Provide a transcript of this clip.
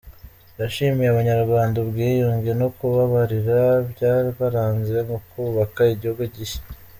Yashimiye Abanyarwanda ubwiyunge no kubabarira byabaranze mu kubaka igihugu gishya.